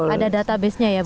ada databasenya ya bu ya